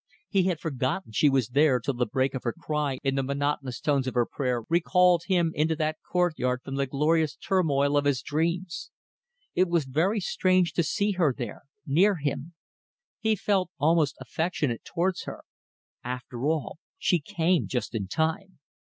He had forgotten she was there till the break of her cry in the monotonous tones of her prayer recalled him into that courtyard from the glorious turmoil of his dreams. It was very strange to see her there near him. He felt almost affectionate towards her. After all, she came just in time.